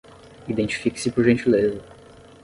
Identifique-se por gentileza